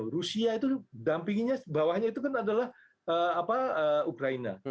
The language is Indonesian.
rusia itu dampinginya bawahnya itu kan adalah ukraina